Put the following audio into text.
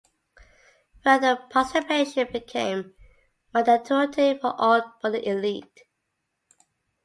Further, participation became mandatory for all but the elite.